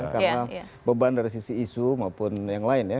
karena beban dari sisi isu maupun yang lain ya